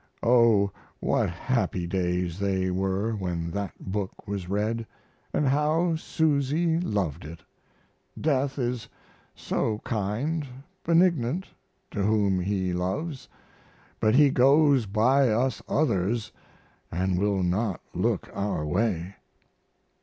Oh, what happy days they were when that book was read, and how Susy loved it!... Death is so kind, benignant, to whom he loves, but he goes by us others & will not look our way.